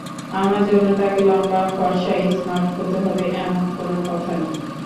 আমার জন্য তাকে লম্বা, ফরসা, স্মার্ট হতে হবে—এমন কোনো কথা নেই।